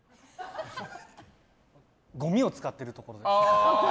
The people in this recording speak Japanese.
ごみを使っているところです。